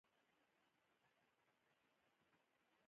باکتریا او فنجي د تجزیه کوونکو مثالونه دي